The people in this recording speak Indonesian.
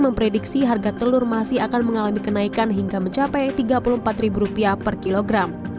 memprediksi harga telur masih akan mengalami kenaikan hingga mencapai rp tiga puluh empat per kilogram